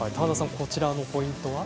こちらのポイントは？